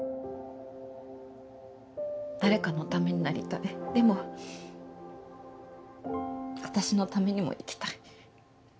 誰かのためになりたいでも私のためにも生きたい。